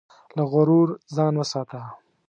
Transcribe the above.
له غرور ځان وساته.